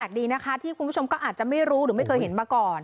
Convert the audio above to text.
ดีนะคะที่คุณผู้ชมก็อาจจะไม่รู้หรือไม่เคยเห็นมาก่อน